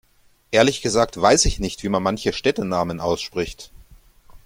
Ehrlich gesagt weiß ich nicht, wie man manche Städtenamen ausspricht.